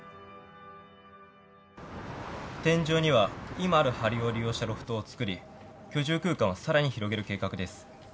天井には今ある梁を利用したロフトを造り居住空間をさらに広げる計画です。